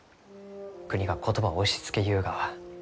国が言葉を押しつけゆうがは。